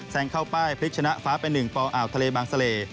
แสงเข้าป้ายพลิกชนะฟ้าเป็น๑ปอทะเลบางสะเล